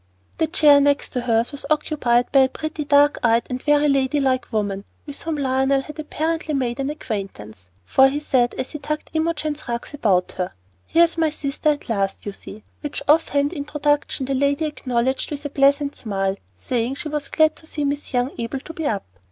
The chair next hers was occupied by a pretty, dark eyed, and very lady like woman, with whom Lionel had apparently made an acquaintance; for he said, as he tucked Imogen's rugs about her, "Here's my sister at last, you see;" which off hand introduction the lady acknowledged with a pleasant smile, saying she was glad to see Miss Young able to be up.